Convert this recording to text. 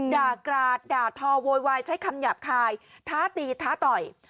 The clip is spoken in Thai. ด่ากราดด่าทอโวยวายใช้คำหยาบคายท้าตีท้าต่อย